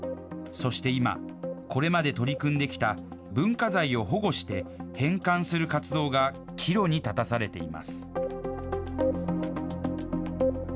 そして今、これまで取り組んできた、文化財を保護して返還する活動が岐路に立たされています。